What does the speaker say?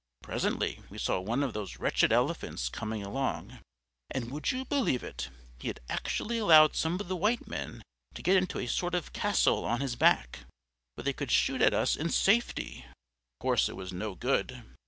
Presently we saw one of those wretched elephants coming along, and, would you believe it, he had actually allowed some of the white men to get into a sort of castle on his back, where they could shoot at us in safety! Of course, it was no good.